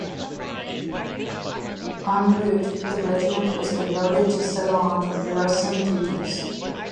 En route the regiment was diverted to Ceylon for garrison duties.